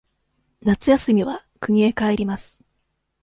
夏休みは国へ帰ります。